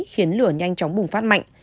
khiến lửa nhanh chóng bùng phát mạnh